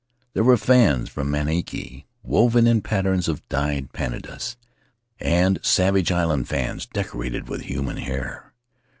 There were fans from Manihiki, woven in patterns of dyed pandanus, and Savage Island fans, decorated with human hair.